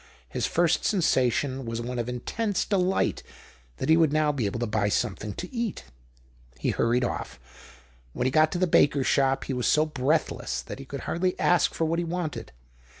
His first sensation was one of intense delight that he would now be able to l)uy something to eat. He hurried oft"; when he got to the l>akcr's shop, he was so breathless that he could hardly ask for what he wanted.